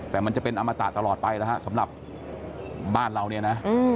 แต่มันจะเป็นอมตะตลอดไปแล้วฮะสำหรับบ้านเราเนี่ยนะ